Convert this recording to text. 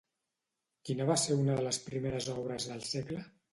Quina va ser una de les primeres obres del segle?